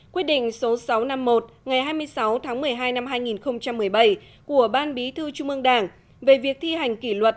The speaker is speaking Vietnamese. quyết định số sáu trăm năm mươi một ngày hai mươi sáu tháng một mươi hai năm hai nghìn một mươi bảy của ban bí thư trung ương đảng về việc thi hành kỷ luật